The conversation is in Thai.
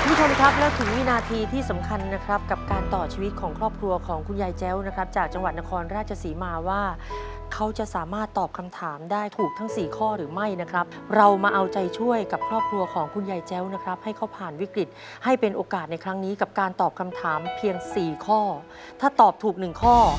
คุณผู้ชมครับและถึงวินาทีที่สำคัญนะครับกับการต่อชีวิตของครอบครัวของคุณยายแจ้วนะครับจากจังหวัดนครราชศรีมาว่าเขาจะสามารถตอบคำถามได้ถูกทั้งสี่ข้อหรือไม่นะครับเรามาเอาใจช่วยกับครอบครัวของคุณยายแจ้วนะครับให้เขาผ่านวิกฤตให้เป็นโอกาสในครั้งนี้กับการตอบคำถามเพียงสี่ข้อถ้าตอบถูกหนึ่งข้อ